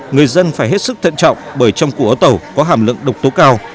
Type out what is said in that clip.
người dân phải hết sức thận trọng bởi trong củ ấu tẩu có hàm lượng độc tố cao